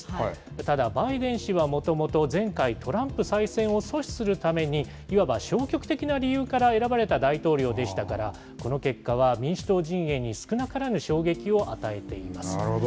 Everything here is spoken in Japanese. ただ、バイデン氏はもともと前回、トランプ再選を阻止するために、いわば消極的な理由から選ばれた大統領でしたから、この結果は民主党陣営に少なからぬ衝撃を与えなるほど。